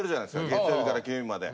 月曜日から金曜日まで。